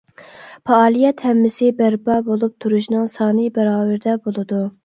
پائالىيەت ھەممىسى بەرپا بولۇپ تۇرۇشنىڭ سانى باراۋىرىدە بولىدۇ.